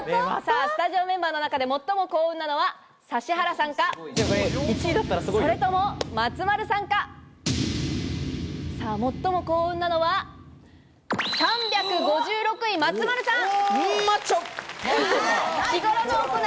スタジオメンバーの中で最も幸運なのは、指原さんか松丸さんか、最も幸運なのは、３５６位、松丸さん。